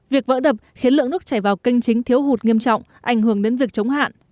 việc vỡ đập khiến lượng nước chảy vào kênh chính thiếu hụt nghiêm trọng ảnh hưởng đến việc chống hạn